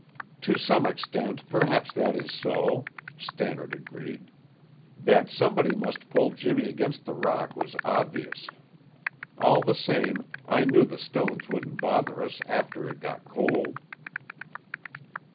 "To some extent, perhaps that is so," Stannard agreed. "That somebody must pull Jimmy against the rock was obvious. All the same, I knew the stones wouldn't bother us after it got cold."